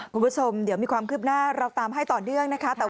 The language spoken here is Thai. คุณผู้ชมเดี๋ยวมีความคืบหน้าเราตามให้ต่อเนื่องนะคะ